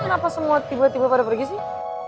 kenapa semua tiba tiba pada pergi sih